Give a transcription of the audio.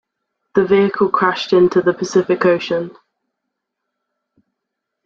The vehicle crashed into the Pacific Ocean.